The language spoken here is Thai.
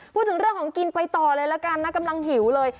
พูดถึงเรื่องของกินไปต่อเลยละกันนะกำลังหิวเลย